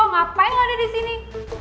ngapain lo ada disini